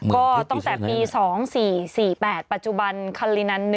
ก็ตั้งแต่ปี๒๔๔๘ปัจจุบันคัลลินัน